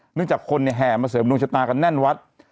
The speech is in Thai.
เนื่องจากคนแห่มาเสริมลงชะตากันแน่นวัด